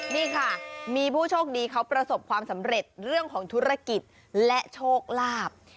นี่ค่ะมีผู้โชคดีเขาประสบความสำเร็จเรื่องของธุรกิจและโชคลาภ